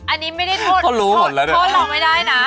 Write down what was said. อันนี้ไม่ได้โทษโทษเราไม่ได้นะพอรู้หมดแล้วด้วย